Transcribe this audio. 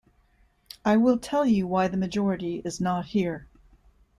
I will tell you why the majority is not here.